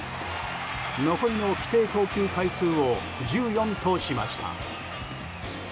残りの規定投球回数を１４としました。